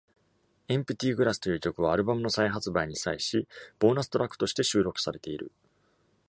「Empty Glass」という曲はアルバムの再発売に際しボーナストラックとして収録されている。